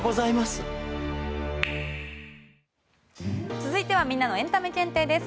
続いてはみんなのエンタメ検定です。